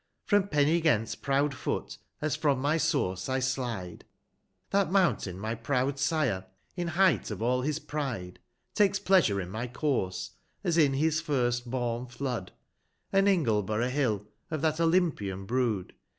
From Penigenfs proud foot, as from my source 1 slide, That Mountain my proud sire, in height of all his pride, loo Takes pleasure in my course, as in his first born Flood : And Lifjleborov) Hill of that Olympian brood.